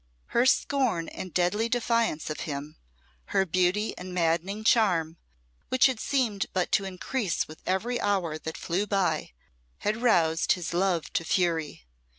Her scorn and deadly defiance of him, her beauty and maddening charm, which seemed but to increase with every hour that flew by, had roused his love to fury.